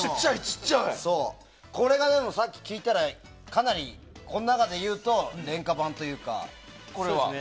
これがでも、さっき聞いたらこれがかなり、この中でいうと廉価版というか。